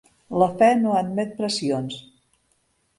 La fe no admet pressions.